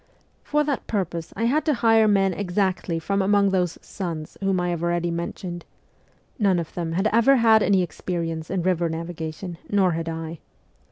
For that purpose I had to hire men exactly from among those ' sons ' whom I have already mentioned. None of them had ever had any experience in river navigation, nor had I.